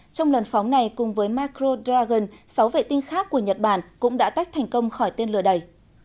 trong lần phóng này cùng với macro dragon sáu vệ tinh khác của nhật bản cũng đã tách thành công khỏi tên lửa đầy